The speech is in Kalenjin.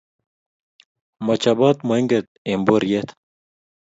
Mo chobot moinget eng boriet